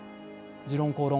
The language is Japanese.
「時論公論」